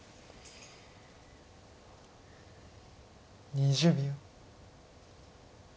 ２０秒。